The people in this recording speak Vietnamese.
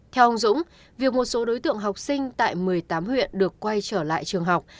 theo ông dũng việc một số đối tượng học sinh tại một mươi tám huyện được quay trở lại trường học